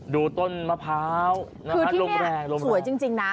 ดูต้นมะพร้าวคือที่เนี่ยสวยจริงนะ